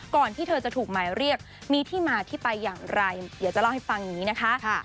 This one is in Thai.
ที่เธอจะถูกหมายเรียกมีที่มาที่ไปอย่างไรเดี๋ยวจะเล่าให้ฟังอย่างนี้นะคะ